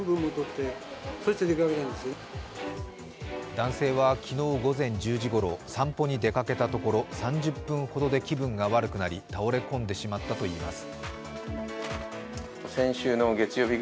男性は昨日午前１０時ごろ、散歩に出かけたところ、３０分ほどで気分が悪くなり倒れ込んでしまったといいます。